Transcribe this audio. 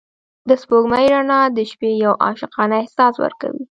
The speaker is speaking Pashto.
د سپوږمۍ رڼا د شپې یو عاشقانه احساس ورکوي.